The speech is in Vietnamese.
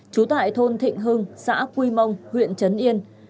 trú tại thôn thịnh hưng xã quy mông huyện trấn yên